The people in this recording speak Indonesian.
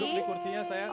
udah beli kursinya saya